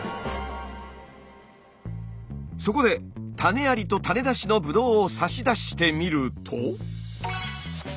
そこで種ありと種なしのブドウを差し出してみると。